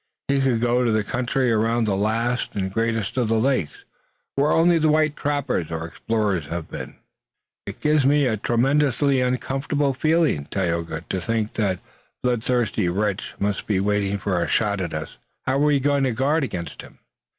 He could go to the country around the last and greatest of the lakes, where only the white trapper or explorer has been." "It gives me a tremendously uncomfortable feeling, Tayoga, to think that bloodthirsty wretch may be waiting for a shot at us. How are we to guard against him?"